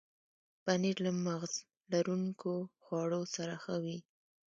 پنېر له مغز لرونکو خواړو سره ښه وي.